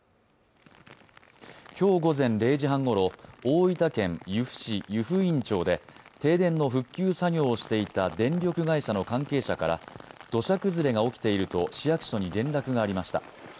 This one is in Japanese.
今日午前０時半ごろ、大分県由布市湯布院町で、停電の復旧作業をしていた電力会社の関係者から土砂崩れが起きていると市役所に連絡がありました。